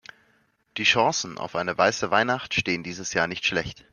Die Chancen auf eine weiße Weihnacht stehen dieses Jahr nicht schlecht.